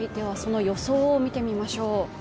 その予想を見てみましょう。